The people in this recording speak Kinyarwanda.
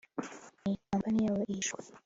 Iyi kampanye yabo ihishwe